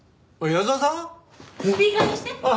矢沢さん？